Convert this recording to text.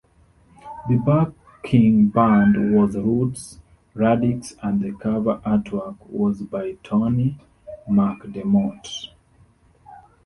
The backing band was Roots Radics and the cover artwork was by Tony McDermott.